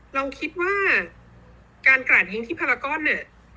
เราคิดว่าการกระดิ้งที่ภารกรเนี่ย